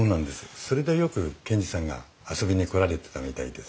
それでよく賢治さんが遊びに来られてたみたいです。